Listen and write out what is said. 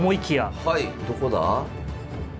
はいどこだ？